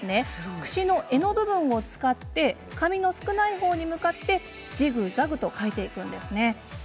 くしの柄の部分を使い髪の少ないほうに向かってジグザグと描いていくんです。